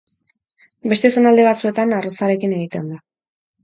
Beste zonalde batzuetan arrozarekin egiten da.